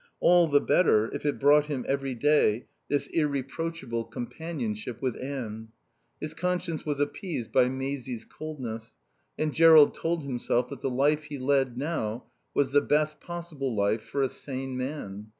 All the better if it brought him every day this irreproachable companionship with Anne. His conscience was appeased by Maisie's coldness, and Jerrold told himself that the life he led now was the best possible life for a sane man.